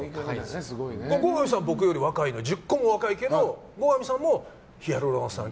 後上さん、僕より１０個も若いけど、後上さんもヒアルロン酸を。